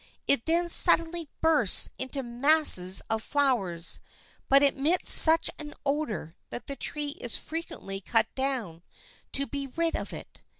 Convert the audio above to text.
It then suddenly bursts into a mass of flowers, but emits such an odor that the tree is frequently cut down to be rid of it.